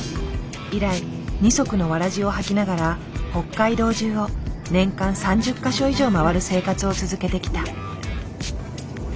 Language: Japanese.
以来二足の草鞋を履きながら北海道じゅうを年間３０か所以上回る生活を続けてきた。